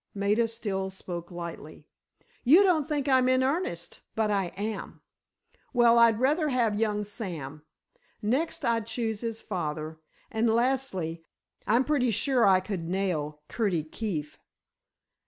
Maida still spoke lightly. "You don't think I'm in earnest, but I am. Well, I'd rather have young Sam. Next, I'd choose his father; and, lastly, I'm pretty sure I could nail Curtie Keefe."